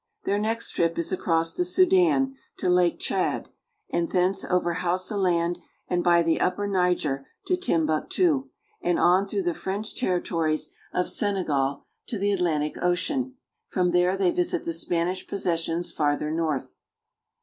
Their next trip is across the Sudan to Lake Tchad, and thence over Hausa Land and by the Upper Niger to Tim buktu, and on through the French territories of Senegal 14234^ 6 PREFACE to the Atlantic Ocean ; from there they visit the Spanish possessions farther north.